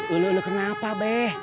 ulu ulu kenapa be